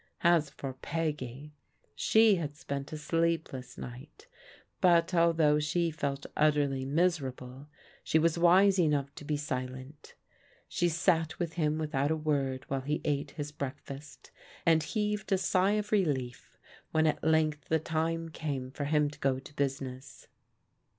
As for Peggy, she had spent a sleepless night, but although she felt utterly nuserable, she was wise enough to be silent. She sat with him without a word while Yie ale \ias \ycesJisr 198 PRODIGAL DAUGHTEBS fast, and heaved a sigh of relief when at length the time came for him to go to business.